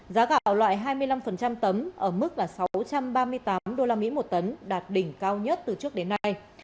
giá gạo loại hai mươi năm tấm ở mức là sáu trăm ba mươi tám đô la mỹ một tấn đạt đỉnh cao nhất từ trước đến nay